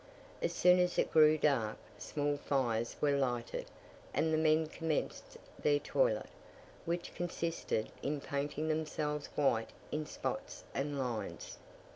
As soon as it grew dark, small fires were lighted, and the men commenced their toilet, which consisted in painting themselves white in spots and lines.